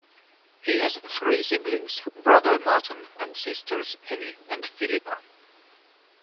He has three siblings, brother Martyn and sisters Penny and Philippa.